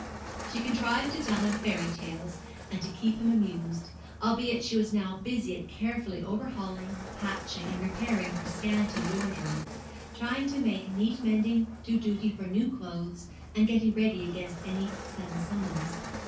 She contrived to tell him fairy tales, and to keep him amused; albeit she was now busy at carefully overhauling, patching, and repairing her scanty wardrobe trying to make neat mending do duty for new clothes, and getting ready against any sudden summons.